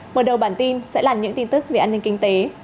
mở đầu bản tin sẽ là những tin tức về an ninh kinh tế